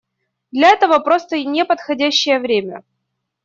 Для этого просто не подходящее время.